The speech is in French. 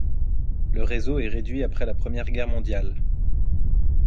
Le réseau est réduit après la Première Guerre mondiale.